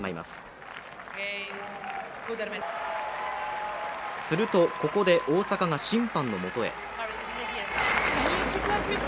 すると、ここで、大坂が審判の元へ。